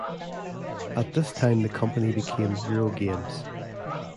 At this time the company became Eurogames.